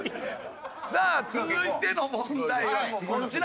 さあ続いての問題はこちら。